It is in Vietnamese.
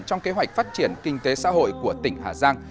trong kế hoạch phát triển kinh tế xã hội của tỉnh hà giang